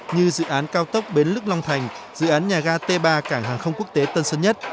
như dự án cao tốc bến lức long thành dự án nhà ga t ba cảng hàng không quốc tế tân sơn nhất